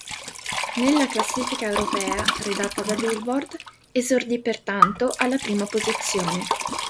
Nella classifica europea, redatta da "Billboard" esordì pertanto alla prima posizione.